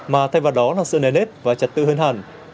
mà thay vào đó là sự nền nếp và chặt tự hân hẳn